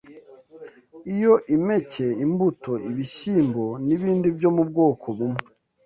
Iyo impeke, imbuto, ibishyimbo n’ibindi byo mu bwoko bumwe